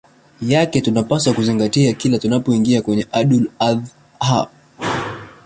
yake tunapaswa kuzingatia kila tunapoingia kwenye Idul Adh ha